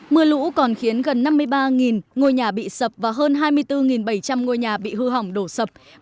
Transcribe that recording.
mưa lũ còn khiến gần năm mươi ba ngôi nhà bị sập và hơn hai mươi bốn bảy trăm linh ngôi nhà bị hư hỏng đổ sập